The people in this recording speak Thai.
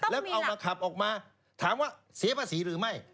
แล้วก็เอามาขับออกมาถามว่าเสียภาษีหรือไม่